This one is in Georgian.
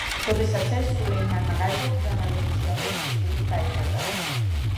როდესაც ეს სულეიმანმა გაიგო, ბრძანა, რომ მისი ვაჟები სიკვდილით დაესაჯათ.